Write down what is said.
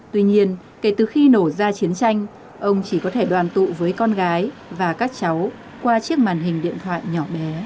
tuy nhiên kể từ khi nổ ra chiến tranh ông chỉ có thể đoàn tụ với con gái và các cháu qua chiếc màn hình điện thoại nhỏ bé